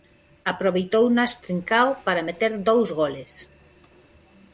Aproveitounas Trincao para meter dous goles.